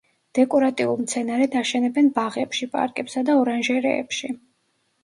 დეკორატიულ მცენარედ აშენებენ ბაღებში, პარკებსა და ორანჟერეებში.